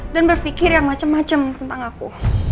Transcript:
dan berfikir yang macem macem tentang aku